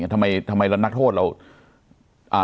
ทำไมนักโทษเรา